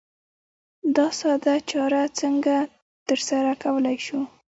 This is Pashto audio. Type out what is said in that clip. دا ساده چاره څرنګه ترسره کولای شو؟